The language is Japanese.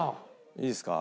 いいですか？